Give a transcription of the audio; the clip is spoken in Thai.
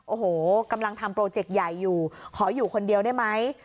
โอ้โหกำลังทำโปรเจกต์ใหญ่อยู่ขออยู่คนเดียวได้ไหม